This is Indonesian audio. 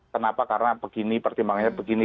kenapa karena begini pertimbangannya begini